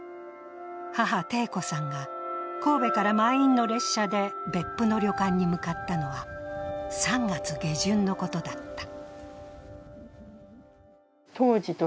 母・貞子さんが神戸から満員の列車で別府の旅館に向かったのは３月下旬のことだった。